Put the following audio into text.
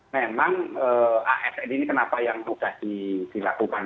memang asn ini kenapa yang sudah dilakukan